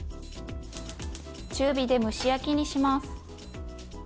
中火で蒸し焼きにします。